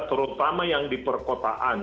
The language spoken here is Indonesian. terutama yang di perkotaan